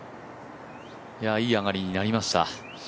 いい上がりになりました。